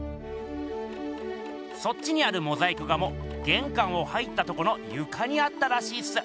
そっちにあるモザイク画もげんかんを入ったとこのゆかにあったらしいっす。